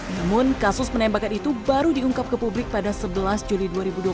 namun kasus penembakan itu baru diungkap ke publik pada sebelas juli dua ribu dua puluh